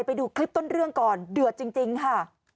ไปดูคลิปต้นเรื่องก่อนเดือดจริงค่ะ